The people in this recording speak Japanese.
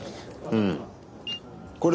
うん。